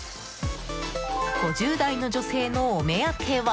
５０代の女性のお目当ては。